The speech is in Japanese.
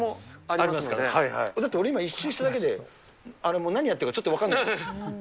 だって俺、今、１周しただけで、もう何やってるかちょっと分かんない。